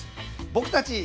僕たち。